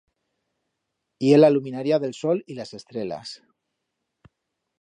Ye la luminaria d'el sol y d'as estrelas.